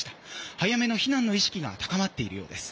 早めの避難の意識が高まっているようです。